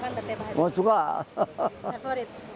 untuk menghasilkan tempat anak